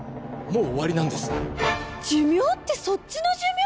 寿命ってそっちの寿命！？